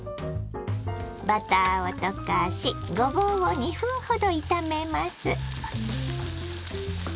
バターを溶かしごぼうを２分ほど炒めます。